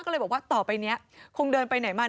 เดินไปไหนมาเป็นไหนแบบ